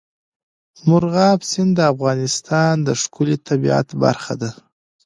مورغاب سیند د افغانستان د ښکلي طبیعت برخه ده.